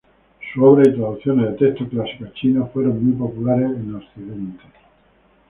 Sus obras y traducciones de textos clásicos chinos fueron muy populares en Occidente.